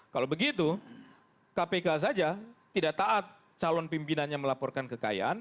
kalau begitu kpk saja tidak taat calon pimpinannya melaporkan kekayaan